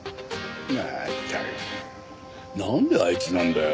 まったくなんであいつなんだよ。